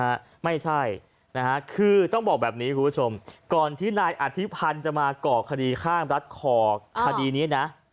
ไม่ใช่นะฮะคือต้องบอกแบบนี้คุณผู้ชมก่อนที่นายอธิพันธ์จะมาก่อคดีข้างรัดคอคดีนี้นะ